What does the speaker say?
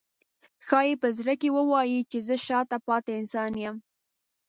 ښایي په زړه کې ووایي چې زه شاته پاتې انسان یم.